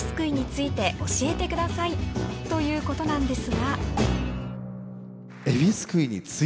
ということなんですが。